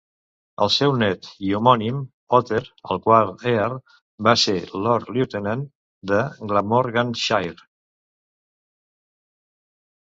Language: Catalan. El seu net i homònim, Other, el quart Earl, va ser lord-lieutenant de Glamorganshire.